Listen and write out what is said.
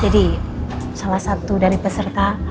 jadi salah satu dari peserta